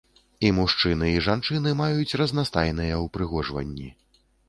І мужчыны, і жанчыны маюць разнастайныя ўпрыгожванні.